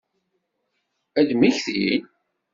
Ad mmektin?